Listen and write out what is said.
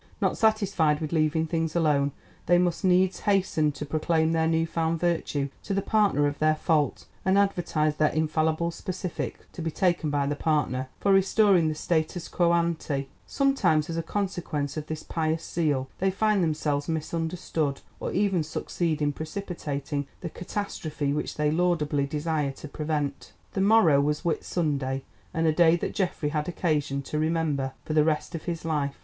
Not satisfied with leaving things alone, they must needs hasten to proclaim their new found virtue to the partner of their fault, and advertise their infallible specific (to be taken by the partner) for restoring the status quo ante. Sometimes as a consequence of this pious zeal they find themselves misunderstood, or even succeed in precipitating the catastrophe which they laudably desire to prevent. The morrow was Whit Sunday, and a day that Geoffrey had occasion to remember for the rest of his life.